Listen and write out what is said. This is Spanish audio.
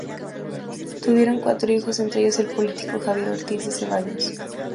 Tuvieron cuatro hijos, entre ellos el político Javier Ortiz de Zevallos.